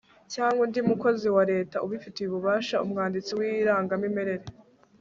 cyangwa undi mukozi wa leta ubifitiye ububasha (umwanditsi w'irangamimerere)